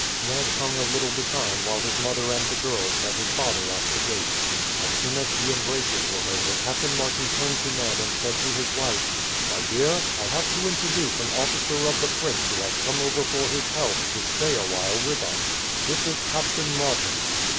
Ned hung a little behind while his mother and the girls met his father at the gate. As soon as the embraces were over Captain Martin turned to Ned and said to his wife: "My dear, I have to introduce an officer of the prince who has come over for his health to stay awhile with us. This is Captain Martin."